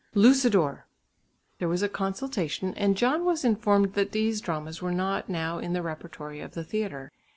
"Lucidor!" There was a consultation, and John was informed that these dramas were not now in the repertory of the theatre.